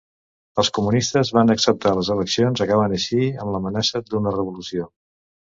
Els comunistes van acceptar les eleccions, acabant així amb l'amenaça d'una revolució.